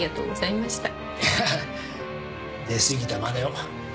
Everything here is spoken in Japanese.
いやぁ出過ぎたまねを。